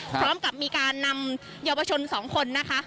พร้อมกับมีการนำเยาวชน๒คนนะคะ